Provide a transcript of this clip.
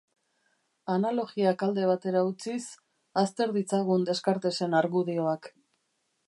Analogiak alde batera utziz, azter ditzagun Descartesen argudioak.